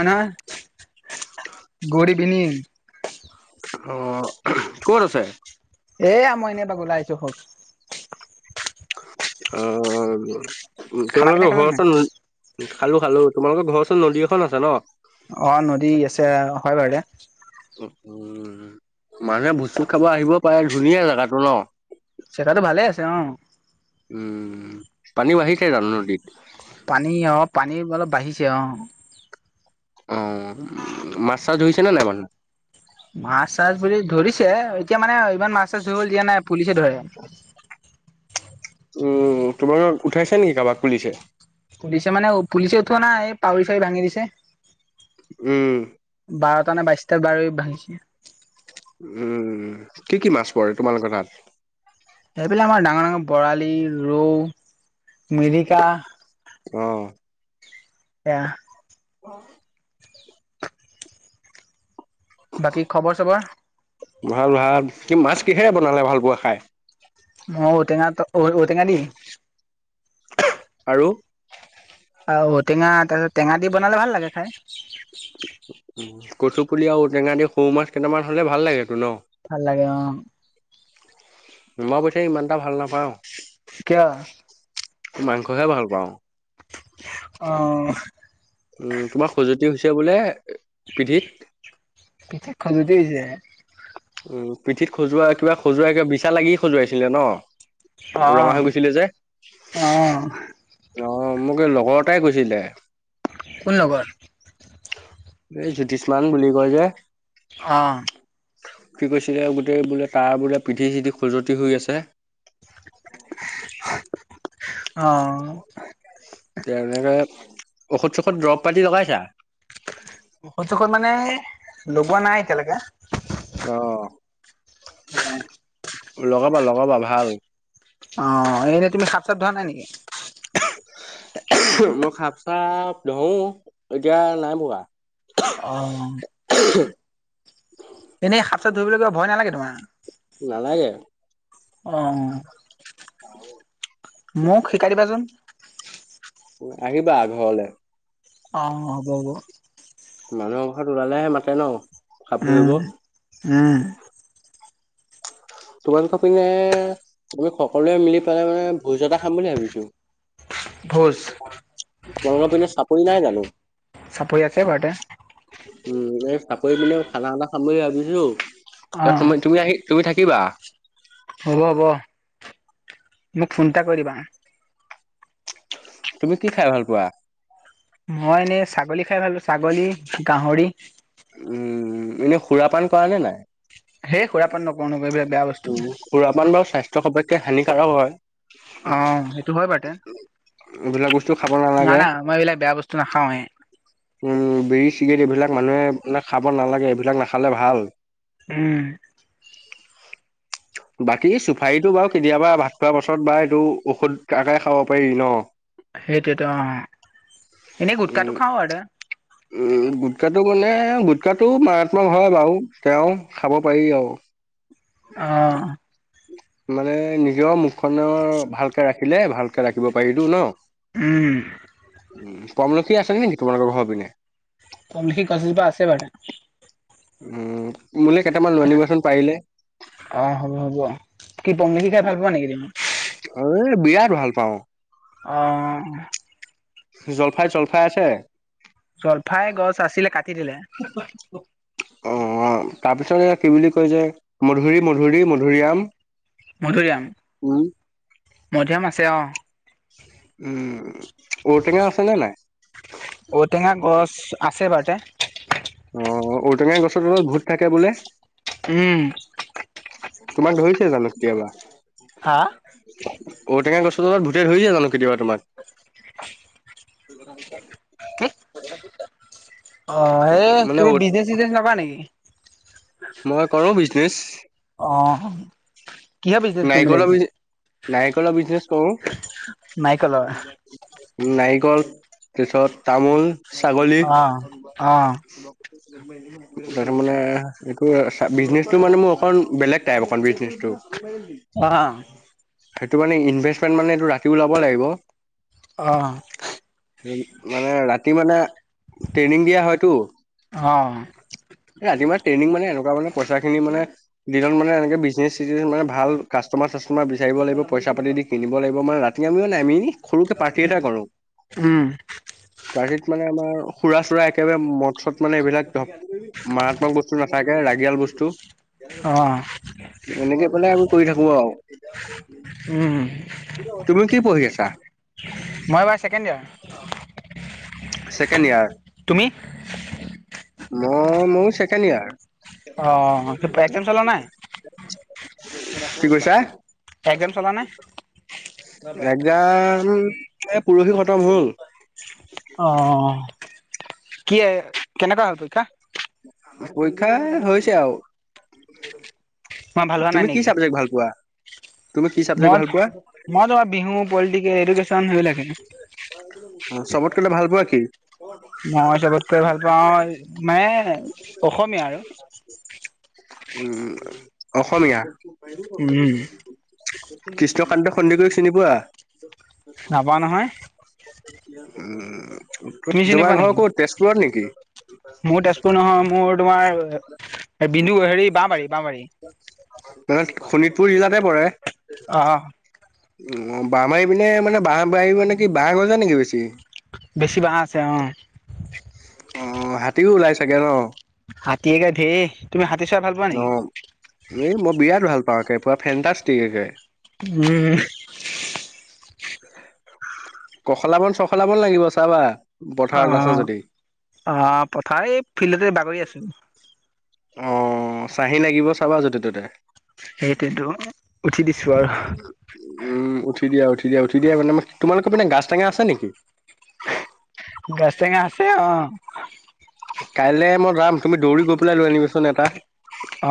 অনাৰ গৰিবিনি অ ক'ত আছে এয়া মই এনেই বা ওলাই আহিছো হক অ খানা তেওঁলোকে পিনা খালে নাই [unintelligible] খালো খালো তোমালোকৰ ঘৰ ওচৰত নদী এখন আছে ন অ নদী আছে হয় বাৰু দে উ মানুহে ভোচ চুচ খাব আহিব পাৰে ধুনীয়া জোগাটো ন জেগাটো ভালে আছে অ। উম পানী বাঢ়িছে জানো নদীত পানী অ পানীৰ অলপ বাঢ়িছে অ অ মাছ চাছ ধৰিছে নে নাই মানুহ মাছ চাছ বুলি ধৰিছে এতিয়া মানে ইমান মাছ চাছ হৈ গ'ল দিয়া নাই পুলিচে ধৰে। উম তোমাৰ উঠাইছা নেকি কাৰোবাক পুলিছে। পুলিচে মানে পুলিচে উঠোৱা নাই এই পাৱউৰি চাউৰি ভাঙি দিছে। উম বাৰটা নে বাইশটাত বাৰৈ ভাঙিছে- উম কি কি মাছ পৰে তোমালোকৰ তাত এইবিলাক আমাৰ ডাঙৰ ডাঙৰ বৰালি ৰৌ মিৰিকা আহ এ অ বাকী খবৰ চবৰ- ভাল ভাল কি মাছ কিহেৰে বনালে ভাল পোৱা খাই। ম ঔটেঙা ঔটেঙা দ আৰু অঔ টেঙা তাৰপিছত টেঙা দি বনালে ভাল লাগে খাই কচু পুলি আৰু টেঙা দি সৰু মাছ কেইটামান হ'লে ভ লাগেতো ন ভাল লাগে অ মই পৈছা ইমান এটা ভাল নাপাওঁ। কিয় মাংস খাই ভাল পাওঁ। অহ উম তোমাৰ খজুৱতি হৈছে বোলে পিধিত পিঠিত খাজতিছে উথিছে উম পিঠিত খজোৱা কিবা খজুৱাই কিবা বিছা লাগি খজুৱাইছিলে ন অ ৰঙা হৈ গৈছিলে যে অ অ মোক এই লগৰ এটাই কৈছিলে কোন লগৰ- এই জ্যোতিষমান বুলি কয় যে। অ কি কৈছিলে গোটেই বোলে তাৰ বোলে পিধি চিধি খজুতি হৈ আছে। হয় অ তেনেকে ঔষধ চষধ দৰৱ পাতি লগাইছা। স্যখ মানে লগোৱা নাই এতিয়ালৈকে। অ উম লগাবা লগাবা ভাল। অ এনেই তুমি সাপ চাপ ধৰা নাই নেকি? মই খাপ চাপ নহওঁ এতিয়া নাই ৰা অহ এনেই সাপ চাপ ধুৰিবলৈ ভয় নালাগে নালাগে তোমাৰ অ মোক শিকাই দিবাচোন। আহিবা ঘৰলে- অ হ'ব হ'ব। মানুহৰ ঘৰত ওলালেহে মাতে ন খাপ উম ধৰিব উম তোমালোকৰ পিনে তুমি সকলোৱে মিলি পেলাই মানে ভোজ এটা খাম বুলি ভাবিছো। ভোজ ৰঙৰ প চাপৰি নাই জানো চপৰি আছে বাৰু এটা উম তাকৰি পি খানা খানা খাম বুলি ভাবিছো ত অহ ত তুমি আহি তুমি থাকিবা। হ'ব হ'ব মোক ফোন এটা কৰিবা তুমি কি খাই ভাল পোৱা। মই এনে ছাগলী খাই ভালো ছাগলী গাহৰি। উম এনেই সুৰাপান কৰা নে সেই নাই। সুৰাপান নকৰো নকৰো এইবিলাক বেয়া বস্তু উ খুৰা মান বাৰু স্বাস্থ্য সবতকে হানিকাৰক হয়। অ সেইটো হয় বাৰতেন এইবিলাক বস্তু খাব নাই নালাগে। নাই মই এইবিলাক বেয়া বস্তু নাখাওহে- উম বিৰি চিগেট এইবিলাক মানুহে মানে খাব নালাগে এইবিলাক নাখালে ভাল। উম বাকী চুফাৰীটো বাৰু কেতিয়াবা ভাত খোৱা পাছত বা। টো ঔষধ আকাৰে খাব পাৰি ন। সেইটোতো অ এনেই গুটখটো খাও আৰু। উ গুটকাটো মানে গুটকাটো মাৰাত্মক হয় বাৰু তেওঁ খাব পাৰি আৰু। আহ মানে নিজৰ মুখখনৰ ভালকে ৰাখিলে ভাল। ৰাখিব পাৰিলো ন উম উ আমলখি আছে নেকি তোমালোকৰ ঘৰ। সিপিনে? তম নখি কচিজ বা আছে বে। উম মোলৈ কেইটামান লৈনিবাচোন পাৰিলে। অ হ'ব হ'ব কি পমলিখি খাই ভাল পোৱা নেকি তুমি এ বিৰাট ভাল পাওঁ? অ জলফাই জলফাই আছে? জলফাই গছ আছিলে কাটি দিলে। অ অ তাৰপিছত এয়া কি বুলি কয় যে মধুৰি মধুৰি মধুৰিআম। উম মধুৰীআম আছে অ। উম ঔটেঙা আছেনে নাই? ঔটেঙা গছ, আছে বাৰিতে। অ ঔটেঙা গছৰ তলত ভূত থাকে বোলে। উম। তোমাক ধৰিছে জানো কেতিয়াবা, হা ঔটেঙা গছৰ তলত। হৈ যে জানো কেতিয়াবা তোমাক। কি। অ এই মানে তুমি ঔ বিজনেচ চিজনেচ নাপা নেকি? মই কৰো বিজনেছ। অ কিহৰ বিজনেচ কৰিম বুলি নাৰিকলা ভাবিছা বিনে, নাৰিকলা বিজনেচ কৰো। নাৰিকলৰ নাৰিকল, তাৰছত তামোল ছাগলী। অ অ তাৰ মানে এইটো বিজনেচটো মানে মোৰ অকণ বেলেগ টাইপ অকণ বিজনেচটো। অ সেইটো মানে, ইনভেষ্টমেন্ট মানে এইটো ৰাতি ওলাব লাগিব। অ মানে ৰাতি মানে। ট্ৰেইনিং দিয়া হয়তটো, অঁ ৰাতি মা ট্ৰেইনিং মানেক। মানে পইচা খিনি মানে, দিনত মানে এনেকে বিজনে চি মানে। ভাল কাষ্টমাৰ চাষ্টমাৰ বিচাৰিব লাগিব পইচা পাতি দি কিনিব লাগিব মানে ৰাতি আমিও নাই আমি এ। সৰুকে পাৰ্থি এটাই কৰো, উম পাৰ্থিত মানে আমাৰ। সুৰা চুৰা একেবাৰে মৎছত মানে এইবিলাক মাৰাত্মক বস্তু নাথাকে ৰাগিয়াল বস্তু। অঁ এনেকে পেলাই আ কৰি থাকো আৰু। উম। তুমি কি পঢ়ি আছা। মই এইবাৰ ছেকেণ্ড ইয়াৰ অ। Second year. তুমি। মই মোৰ ছেকেণ্ড ইয়াৰ। অ এক্সাম চলা নাই। কি কৈছা। একদাম চলা নাই। এজন, পুৰুষি খতম হল। অ, কি কেনেকুৱা হল পৰক্ষা। পৰীক্ষা হৈছে আৰু, মই ভাল হোৱা নাই তুমি কি নেকি চাবজেক্ট ভাল পোৱা। তুমি কি মই চাবজেক্ট মই ভাল পোৱা তোমাৰ বিহু পলিটিকেল এডুকেশ্যন সেই বিলাকে। [unintelligible] অ চবত কেলে ভাল পোৱা কি। [unintelligible] ম মই চবতকে ভাল পাওঁ মানে অসমীয়া আৰু। উ অসমীয়া। উম ত কান্ত সন্দে কৰি চিনি পোৱা নাপাওঁ নহয় উ। তুমি [unintelligible] চিনি পোৱা জমাই ঘৰ নেকি কো তেজপুৰৰ নেকি। [unintelligible] মোৰ তেজপুৰ নহয়, মোৰ তোমাৰ বিন্দু, হেৰি বা বাৰী বা বাৰী। মান শোণিতপুৰ জিলাতে পৰে। অ। অ বাঁহ মাৰি পিনে মানে বাঁহ বাৰ মানে কি বাঁহ গজে নেকি বেছি। [unintelligible] বেছিভাগ আছে অঁ। অ হাতীও ওলাই চাগে ন। হাতীয়েকা ধেৰ তুমি হাতী চাই ভাল পোৱা অ নেকি। [unintelligible] এই মই বিৰাট ভাল পাওঁ পুৰা ফেণ্টাষ্টিকে। উম। কখলাবন চখলাবন লাগিব চাবা। অ, পথাৰত আছা যদি আহ পথাৰ এই ফিল্ডতে বাগৰি আছো। অ ছাঁহি লাগিব চাবা য'তে ত'তে। সেইটোতো উঠি দিছো আৰু উম উঠি দিয়া উঠি। উঠি দা উঠি দিয়া মানে তোমালোকৰ পিনে গাছ টেঙা আছে নেকি [unintelligible] গাছ টেঙা আছে অ কাইলৈ মই যাম তুমি দৌৰি গৈ পেলাই লৈ আনিবিচোন এটা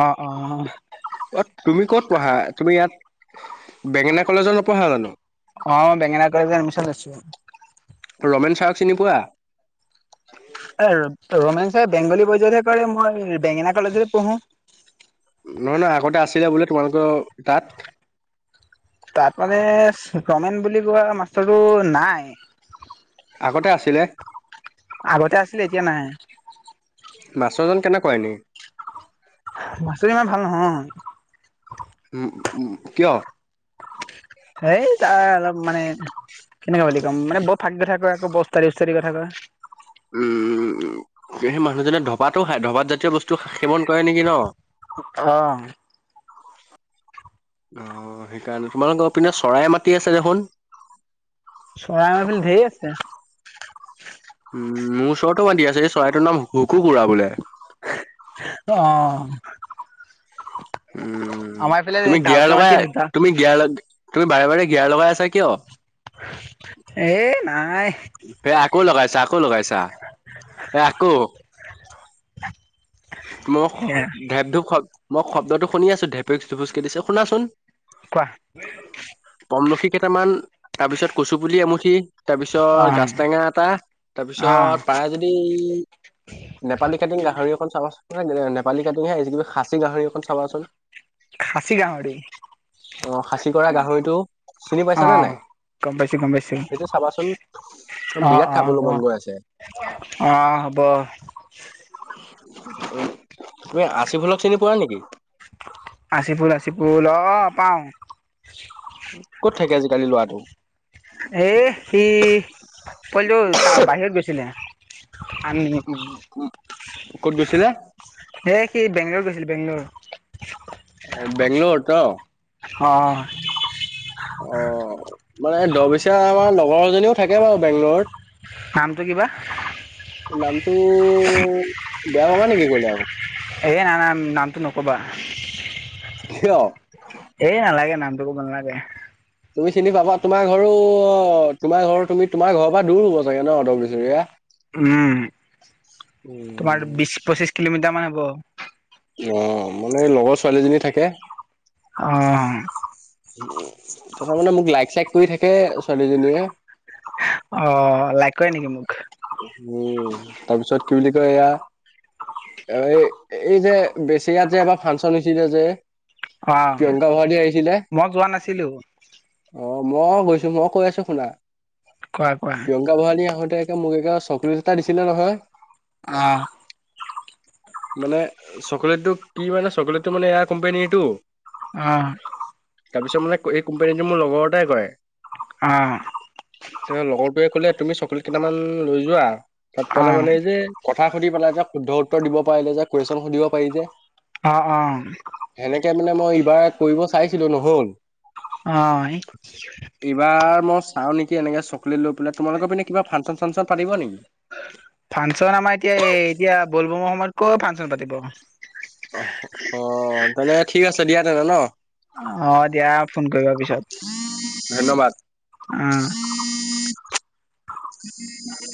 অ অ অ তুমি ক'ত পঢ়া তুমি ইয়াত বেঙেনা কলেজত নপঢ়া জানো অই বেঙেনা কলেজত এডমিছন লৈছো অ [unintelligible] ৰমেন চাৰক চিনি পোৱা [unintelligible] ৰমেন চাই বেংগলী বজতহে কৰে মই বেঙেনা কলেজলৈ পঢ়ো [unintelligible] নহয় নহয় আগতে আছিলে বোলো তোমালোকৰ তাত [unintelligible] তাত মানে গমেন বুলি কোৱা মাষ্টাৰটো নাই আগতে আছিলে আগতে আছিলে এতিয়া নাই মাষ্টৰজন কেনেকুৱা এনেই মাষ্টৰজন ভাল নহয় ইমান [unintelligible] উম উ কিয় সেই তাৰ অলপ মানে কেনেকুৱা বুলি কম মানে বৰ ফাক কথা ক [unintelligible] বস্তাৰি বস্তাৰি কথা কয় [unintelligible] উম উম উম সেই মানুহজনে ধবাতো খায় ধবাত জাতীয় বস্তু সেৱন কৰে নেকি ন [unintelligible] অ অ সেইকাৰণে তোমালোকৰ পিনে চৰাই মাতি আছে দেখোন [unintelligible] চৰাই ধেই আছে [unintelligible] উম মোৰ ওচৰতটো মানতি আছে এই চৰাইটোৰ নাম হুকু খুৰা বোলে [unintelligible] আহ উম তুমি গেয়াৰ ডাউকে লগাই মাটি তুমি গিয়াৰ লগ [unintelligible] তুমি বাৰে বাৰে গেঞাৰ লগাই আছা কিয় [unintelligible] এ নাই সেই আকৌ লগাইছা আকৌ লগাইছা এই আকৌ মোক এয়া ঢেপঢূপ শব্ মই শব্দটো শুনি আছো ঢেপেক পোচ কে দিছে শুনাচোন [unintelligible] কোৱা পমলখি কেইটামান তাৰ পিছত কচু পুলি এমুঠি তাৰ পিছত অ', গাছ টেঙা এটা তাৰ অ', পিছত পাৰে যদি। নেপালী কাটিং গাহৰি অকন চাবাচোন নেপালী কাটিং হে কিবি খাচী গাহৰি এখন চাবাচোন খাচী গাহৰি। অ খাচি কৰা গাহৰিটো চিনি পাইছানে অ', নাই? গম পাইছোঁ গম পাইছোঁ সেইটো চাবাচোন অ বিৰাট অ খাবলৈ হ'ব অ মন গৈ আছে হ'ব। উ তুমি আশি ফুলক চিনি পোৱা নেকি? আচি ফুল আচি ফুল অ পাওঁ। ক'ত থাকে আজিকালি ল'ৰাটো? এ সি পোৱালিটো বাহিৰত গৈছিলে। আনিনি ক'ত গৈছিলে? কি বেংলোৰ গৈছিলে বেংলৰ। বেংলৰ ত অ', অ মানে দহ বৈচা আমাৰ লগৰ এজনীও থাকে বাৰু বেংগলৰত। নামটো কিবা। নামটো বেয়া পাবা নেকি কলে আকৌ। ক'বা। কিয়। এই নালাগে নামটো ক'ব নালাগে। তুমি চিনি পাবা তোমাৰ ঘৰো তোমাৰ ঘৰৰ তুমি তোমাৰ ঘৰৰ পৰা দূৰ হ'ব চাগে ন অ দহ বৈচৰিয়া। উম তোমাৰ উম বিশ পঁচিশ কিলোমিটাৰ মান হ'ব। অ মানে লগৰ ছোৱালীজনী থাকে। অ', তাৰ মানে মোক লাইক চাইক কৰি থাকে ছোৱালীজনীয়ে। অ লাই কৰে নেকি মোক। উম তাৰপিছত কি বুলি কয় এয়া। অ এই এই যে বেচি ইয়াত যে এবাৰ ফাংচন হৈছিল যে। অ', প্ৰিয়ংকা ভৰালী আহিছিলে। মই যোৱা নাছিলোঁ অ মই গৈছোঁ মই কৈ আছোঁ শুনা কোৱা কোৱা প্ৰিয়ংকা ভৰালী আহোঁতে। এ মোক এ চকলেট এটা দিছিলে নহয়। অ', মানে চকলেটটো কি মানে চকলেটটো মানে এয়াৰ কোম্পানীটো। অ', তাৰপিছত মানে এই কোম্পানীটো মোৰ লগৰটাই কৰে। অ', লগৰটোৱে ক'লে তুমি চকলেট কেইটামান লৈ যোৱা। তাত পালে মানে অ', এই যে কথা সুধি পেলাই এ শুদ্ধ উত্তৰ দিব পাৰিলে যে কুৱেশন সুধিব পাৰি যে অ', অ', সেনেকে মানে মই এইবাৰ কৰিব চাইছিলোঁ নহ'ল। অ', এইবাৰ মই চাও নেকি? কেনে চকলেট লৈ পাই তোমালোকৰ পিনে কিবা। চাংচন পাতিব নেকি? ফাংচন আমাৰ এতিয়া এই এতিয়া ব'ল বমৰ সময়ত কৈ ফাংচন পাতিব অ অ তেনে ঠিক আছে দিয়া তেনে ন। অ দিয়া ফোন কৰিবা পিছত।। ধন্যবাদ। অহ। [unintelligible]